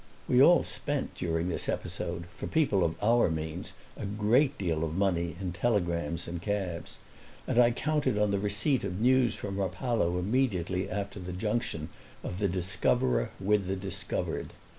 We all spent during this episode, for people of our means, a great deal of money in telegrams and cabs, and I counted on the receipt of news from Rapallo immediately after the junction of the discoverer with the discovered.